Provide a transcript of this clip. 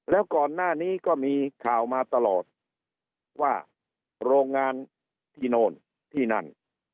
แล้วก่อนหน้านี้ก็มีข่าวมาตลอดว่าโรงงานที่โน่นที่นั่น